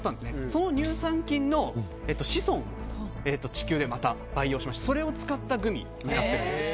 その乳酸菌の子孫を地球でまた培養してそれを使ったグミなんです。